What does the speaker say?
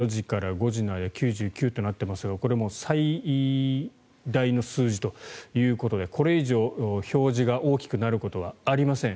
使用率ピーク４時から５時の間で９９となっていますがこれ、最大の数字ということでこれ以上表示が大きくなることはありません。